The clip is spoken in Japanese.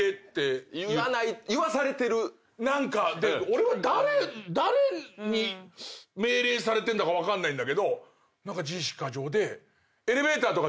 俺は誰に命令されてんだか分かんないんだけど何か自意識過剰で。